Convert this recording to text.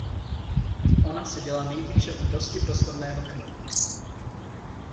Ona seděla nejblíže u dosti prostorného krbu.